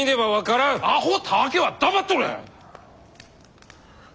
あほたわけは黙っとれ！